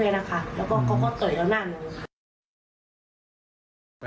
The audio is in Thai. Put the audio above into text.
แล้วก็เขาก็เต๋อยเขาหน้าหนู